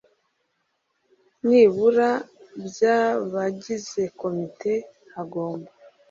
nibura by abagize komite hagomba